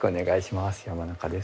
山中です。